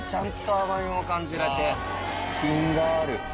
品がある。